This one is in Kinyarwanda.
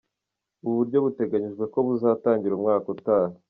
Ubu buryo biteganyijwe ko buzatangira umwaka utaha.